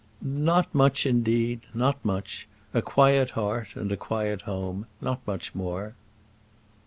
"Not much, indeed; not much. A quiet heart and a quiet home; not much more."